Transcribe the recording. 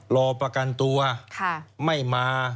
รอประกันตัวไม่มา